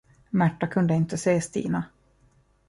Märta kunde inte se Stina.